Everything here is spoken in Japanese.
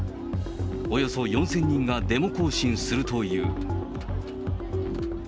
およそ４０００人がデモ行進するという。